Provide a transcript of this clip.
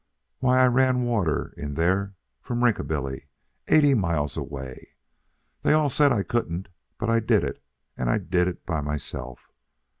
Why, I ran the water in there from the Rinkabilly, eighty miles away. They all said I couldn't, but I did it, and I did it by myself.